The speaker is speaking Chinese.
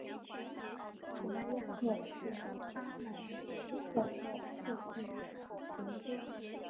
古赖亚特是阿曼马斯喀特附近的渔村。